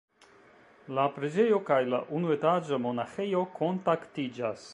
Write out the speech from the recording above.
La preĝejo kaj la unuetaĝa monaĥejo kontaktiĝas.